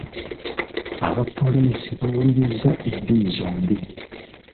Abapoliisi bawuliriza enjuyi zombi.